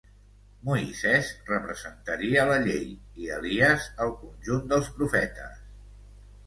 Moisès representaria la llei, i Elies, el conjunt dels profetes.